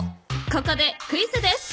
ここでクイズです。